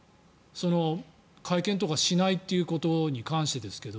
会見とかしないことに関してですけど。